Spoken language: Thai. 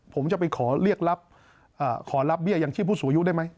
ผมจะไปขอเรียกขอรับเบี้ยยังชีพผู้สูงอายุได้ไหม